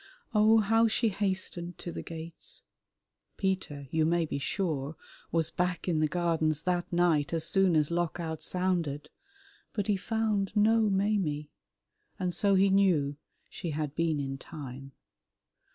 Oh, how she hastened to the gates! Peter, you may be sure, was back in the Gardens that night as soon as Lock out sounded, but he found no Maimie, and so he knew she had been in time.